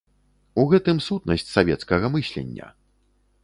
У гэтым сутнасць савецкага мыслення!